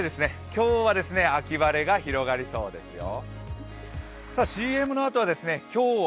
今日は秋晴れが広がりそうですよ。